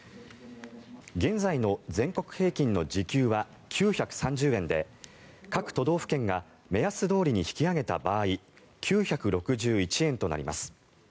現在の全国平均の時給は９３０円で各都道府県が目安どおりに引き上げた場合９６１円となります。